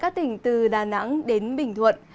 các tỉnh từ đà nẵng đến bình thuận